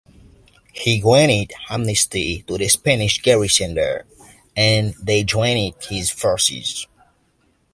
He granted amnesty to the Spanish garrison there, and they joined his forces.